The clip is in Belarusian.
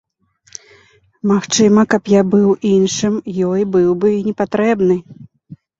Магчыма, каб я быў іншым, ёй быў бы і не патрэбны.